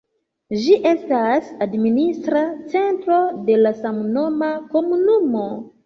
Ĝi estas administra centro de la samnoma komunumo.